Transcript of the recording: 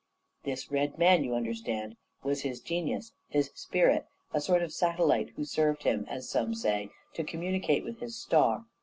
This Red Man, you understand, was his genius, his spirit a sort of satellite who served him, as some say, to communicate with his star.